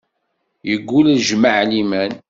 Yeggul jmaɛ liman.